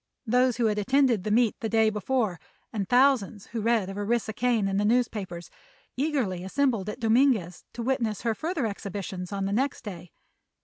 Those who had attended the meet the day before, and thousands who read of Orissa Kane in the newspapers, eagerly assembled at Dominguez to witness her further exhibitions on the next day.